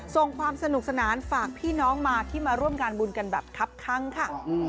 ส่งความสนุกสนานฝากพี่น้องมาที่มาร่วมงานบุญกันแบบคับข้างค่ะ